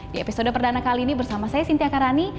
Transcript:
di episode pertama kali ini bersama saya sinti akarani